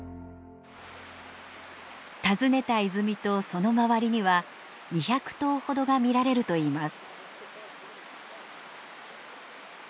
訪ねた泉とその周りには２００頭ほどが見られるといいます。